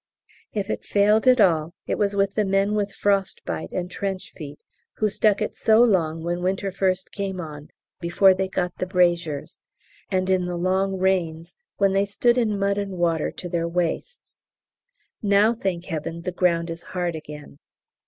If it failed at all it was with the men with frost bite and trench feet, who stuck it so long when winter first came on before they got the braziers, and in the long rains when they stood in mud and water to their waists. Now, thank Heaven, the ground is hard again.